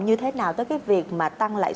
như thế nào tới cái việc mà tăng lại